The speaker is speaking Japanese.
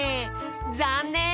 ざんねん！